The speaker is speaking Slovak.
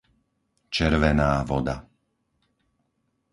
Červená Voda